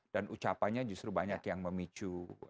dan ucapannya justru banyak yang memicu